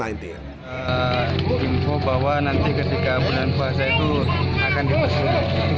info bahwa nanti ketika bulan bahasa itu akan dipersiapkan